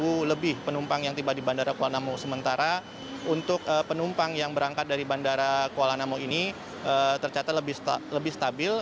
sepuluh lebih penumpang yang tiba di bandara kuala namu sementara untuk penumpang yang berangkat dari bandara kuala namu ini tercatat lebih stabil